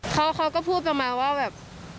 เขาก็พูดประมาณว่าแบบ